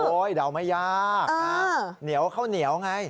โอ้ยเดาไม่ยากเออเหนียวเขาเหนียวไง